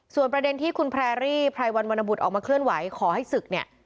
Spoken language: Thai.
ส่วนประเด็นที่คุณแพรรี่ไพรวันวรรณบุตรออกมาเคลื่อนไหวขอให้ศึกเนี่ย